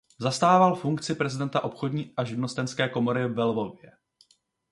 Zastával funkci prezidenta obchodní a živnostenské komory ve Lvově.